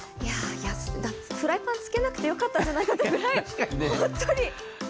フライパン付けなくてよかったんじゃないかというくらい。